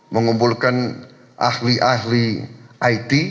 mengumpulkan ahli ahli it